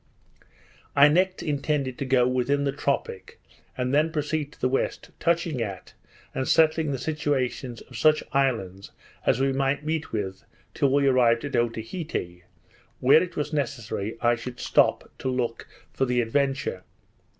I next intended to get within the tropic, and then proceed to the west, touching at, and settling the situations of such islands as we might meet with till we arrived at Otaheite, where it was necessary I should stop to look for the Adventure.